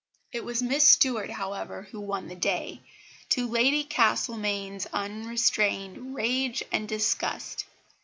It was Miss Stuart, however, who won the day, to Lady Castlemaine's unrestrained rage and disgust.